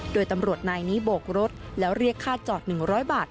โดยตำรวจนายนี้โบกรถแล้วเรียกค่าจอด๑๐๐บาท